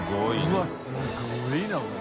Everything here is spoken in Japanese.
うわっすごいなこれ。